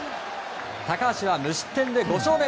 高橋は無失点で５勝目。